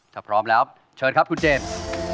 ถ้าพร้อมแล้วเชิญครับคุณเจมส์